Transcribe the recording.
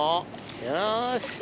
よし。